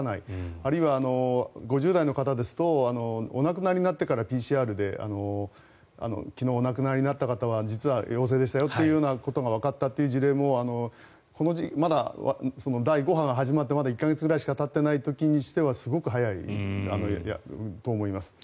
あるいは５０代の方ですとお亡くなりになってからＰＣＲで昨日、お亡くなりになった方は実は陽性でしたよということがわかったという事例も第５波が始まってまだ１か月ぐらいしかたっていない時にしてはすごく早いと思います。